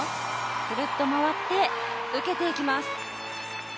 くるっと回って受けていきます。